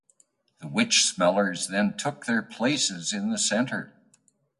The witch smellers then took their places in the center.